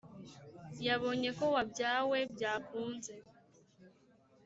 yabonye ko wabyawe byakunze,